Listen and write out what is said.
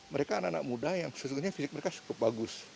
mereka anak anak muda yang sesungguhnya fisik mereka cukup bagus